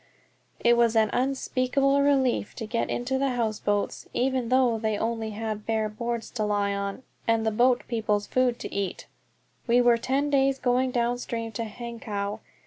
It was an unspeakable relief to get into the houseboats, even though we only had bare boards to lie on, and the boat people's food to eat. We were ten days going down stream to Hankow.